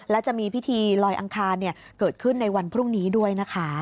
และจะมีพิธีลอยอังคารเกิดขึ้นในวันพรุ่งนี้ด้วยนะคะ